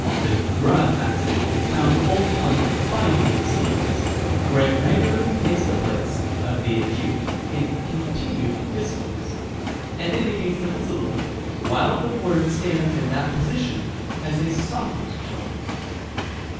The grave accent is found only on final syllables, where it regularly takes the place of the acute in continued discourse, and indicates that the syllable, while the word stands in that position, has a softened tone. Rem. e.